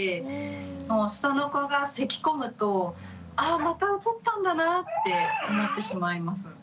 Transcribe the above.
下の子がせきこむとあまたうつったんだなって思ってしまいます。